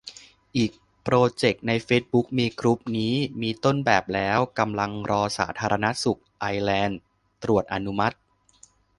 อีกโปรเจกต์ ในเฟซบุ๊กมีกรุ๊ปนี้ มีต้นแบบแล้ว กำลังรอสาธารณสุขไอร์แลนด์ตรวจอนุมัติ